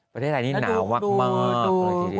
ประเทศไทยนี่หนาวมากเลยทีเดียว